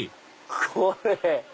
これ！